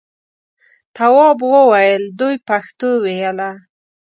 تواب وویل دوی پښتو ویله.